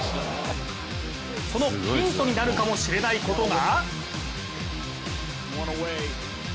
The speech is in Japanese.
そのヒントになるかもしれないことが？